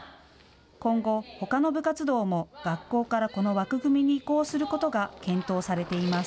今後、ほかの部活動も学校からこの枠組みに移行することが検討されています。